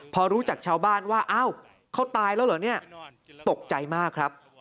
พอรู้จากชาวบ้านว่าอ้าวเขาตายแล้วเหรอเนี่ยตกใจมากครับ